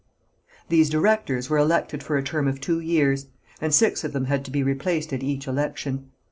These directors were elected for a term of two years, and six of them had to be replaced at each election.